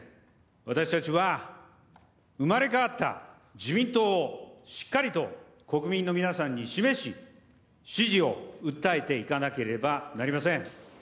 私たちは生まれ変わった自民党をしっかりと国民の皆さんに示し、支持を訴えていかなければなりません。